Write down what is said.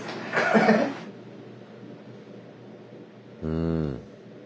うん。